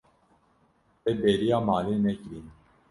Te bêriya malê nekiriye.